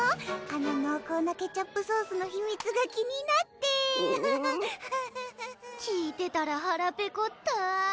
あの濃厚なケチャップソースの秘密が気になってアハハハアハハハ聞いてたらはらペコった！